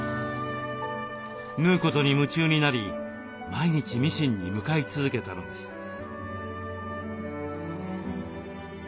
縫うことに夢中になり毎日ミシンに向かい続けたのです。